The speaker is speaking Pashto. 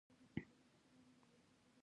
د لومړي ځل را پورته کېدو پر مهال شاوخوا.